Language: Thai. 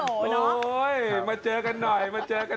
โอ้โฮมาเจอกันหน่อยเพราะว่าซิกแผน